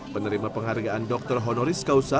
penerima penghargaan dr honoris causa